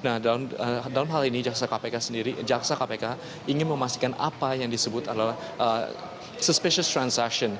nah dalam hal ini jaksa kpk ingin memastikan apa yang disebut adalah suspicious transaction